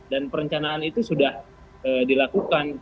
dan perencanaan itu sudah dilakukan